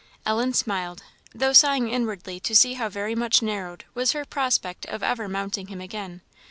Ellen smiled, though sighing inwardly to see how very much narrowed was her prospect of ever mounting him again.